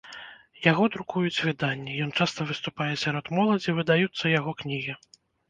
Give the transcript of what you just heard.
Яго друкуюць выданні, ён часта выступае сярод моладзі, выдаюцца яго кнігі.